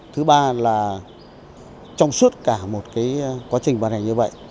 thứ ba là trong suốt cả một quá trình bàn hành như vậy